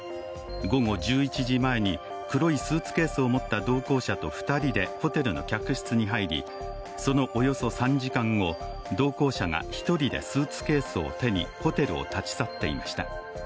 午後１１時前に黒いスーツケースを持った同行者と２人でホテルの客室に入りそのおよそ３時間後、同行者が１人でスーツケースを手にホテルを立ち去っていました。